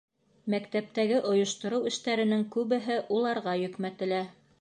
Мәктәптәге ойоштороу эштәренең күбеһе уларға йөкмәтелә.